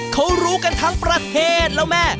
เขารู้กันทั้งประเทศแล้วแม่